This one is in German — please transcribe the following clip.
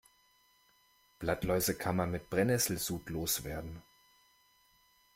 Blattläuse kann man mit Brennesselsud loswerden.